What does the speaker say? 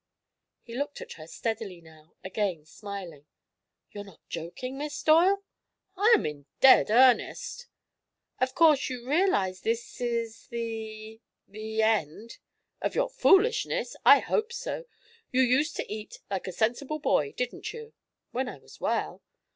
He looked at her steadily now, again smiling. "You're not joking, Miss Doyle?" "I'm in dead earnest." "Of course you realize this is the the end?" "Of your foolishness? I hope so. You used to eat like a sensible boy, didn't you?" "When I was well."